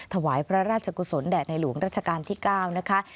ถวายพระราชกุศลแด่ในหลวงรัชกาลที่๙นะคะ